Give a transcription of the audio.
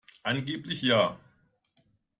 Angeblich ja.